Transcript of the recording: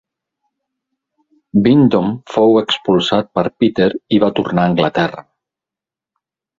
Bindon fou expulsat per Peter i va tornar a Anglaterra.